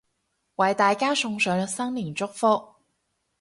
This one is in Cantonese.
為大家送上新年祝福